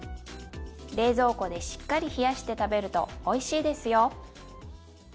冷蔵庫でしっかり冷やして食べるとおいしいですよ。